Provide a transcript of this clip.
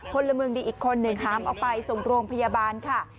พลเมืองดีอีกคนหนึ่งหามออกไปส่งโรงพยาบาลค่ะ